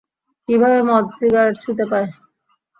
কীভাবে মদ-সিগারেট ছুঁতে পায়?